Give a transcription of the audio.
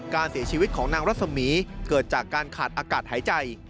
การเสียชีวิตของนางรัศมีร์เกิดจากการขาดอากาศหายใจ